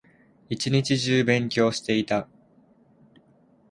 一日中勉強していた